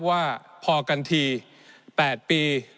ว่าพอกันที๘ปี